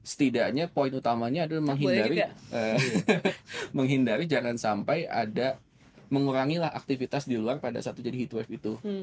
setidaknya poin utamanya adalah menghindari jangan sampai ada mengurangilah aktivitas di luar pada satu jadi heatwave itu